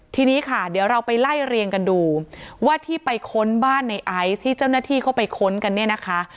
ทีนี้ค่ะเดี๋ยวเราไปไล่เรียงกันดูว่าที่ไปค้นบ้านในไอซ์ที่เจ้าหน้าที่เข้าไปค้นกันเนี่ยนะคะ